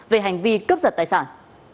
về hành vi cướp giật tài sản